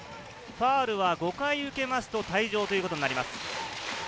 ファウルは５回受けますと退場になります。